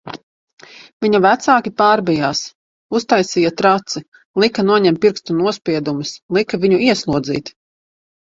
Viņa vecāki pārbijās, uztaisīja traci, lika noņemt pirkstu nospiedumus, lika viņu ieslodzīt...